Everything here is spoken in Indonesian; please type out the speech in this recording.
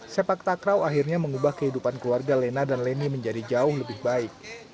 sepak takraw akhirnya mengubah kehidupan keluarga lena dan leni menjadi jauh lebih baik